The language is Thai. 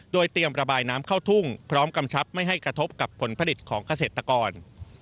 โดยเตรียมระบายน้ำเข้าทุ่งพร้อมกำชับไม่ให้กระทบกับผลผลิตของเกษตรกร